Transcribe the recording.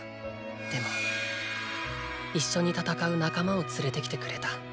でも一緒に戦う仲間を連れてきてくれた。